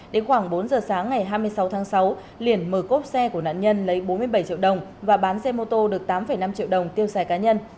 đến khoảng bốn giờ sáng ngày hai mươi sáu tháng sáu liền mở cốp xe của nạn nhân lấy bốn mươi bảy triệu đồng và bán xe mô tô được tám năm triệu đồng tiêu xài cá nhân